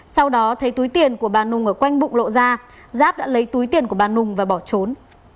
sau đó thấy túi tiền của bà nung ở quanh bụng lộ ra giáp đã lấy túi tiền của bà nung và bỏ trốn